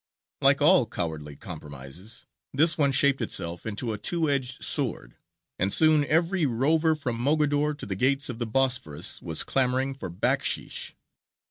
Like all cowardly compromises, this one shaped itself into a two edged sword; and soon every rover from Mogador to the Gates of the Bosphorus was clamouring for backsheesh.